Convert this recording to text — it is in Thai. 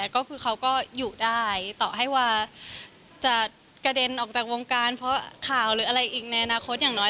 ก็คือเขาก็อยู่ได้ต่อให้วาจะกระเด็นออกจากวงการเพราะข่าวหรืออะไรอีกในอนาคตอย่างน้อย